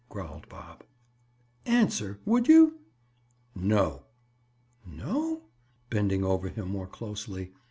growled Bob. "Answer. Would you?" "No." "No?" Bending over him more closely.